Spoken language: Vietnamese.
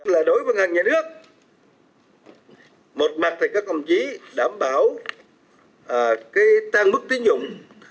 là đối với ngân hàng nhà nước một mặt thì các công chí đảm bảo tăng mức tiêu dụng